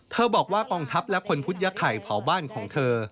บอกว่ากองทัพและคนพุทธยะไข่เผาบ้านของเธอ